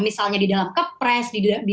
misalnya di dalam kepres